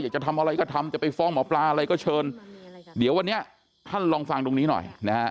จะทำอะไรก็ทำจะไปฟ้องหมอปลาอะไรก็เชิญเดี๋ยววันนี้ท่านลองฟังตรงนี้หน่อยนะฮะ